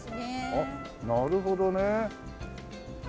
ああなるほどね。